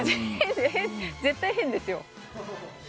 絶対、変ですよ。